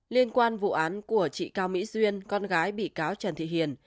liên quan vụ án của chị cao mỹ duyên con gái bị cáo trần thị hiền